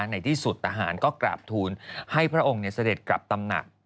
ในที่สุดทหารก็กราบทูลให้พระองค์เสด็จกลับตำหนัก